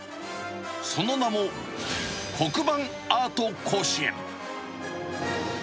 その名も黒板アート甲子園。